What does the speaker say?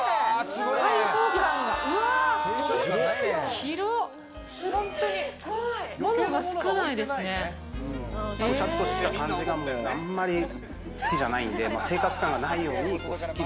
ごちゃっとした感じがあまり好きじゃないんで、生活感がないようにすっきり。